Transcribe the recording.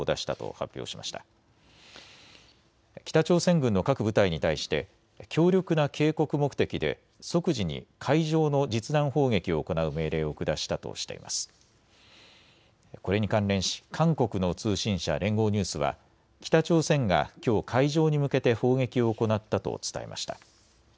これに関連し韓国の通信社、連合ニュースは北朝鮮がきょう海上に向けて砲撃を行ったと伝えました。